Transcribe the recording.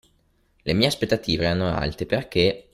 Le mie aspettative erano alte perché